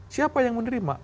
siapa yang menerima